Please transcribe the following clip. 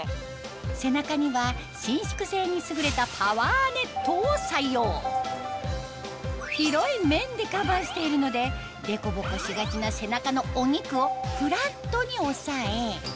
背中には伸縮性に優れたパワーネットを採用広い面でカバーしているのでデコボコしがちな背中のお肉をフラットに押さえ